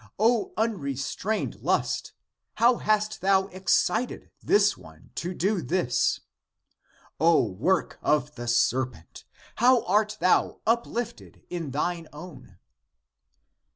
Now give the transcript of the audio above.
O unrestrained lust, how hast thou ex cited this one to do this ! O work of the serpent, how art thou uplifted in thine own!"